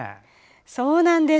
そうなんです。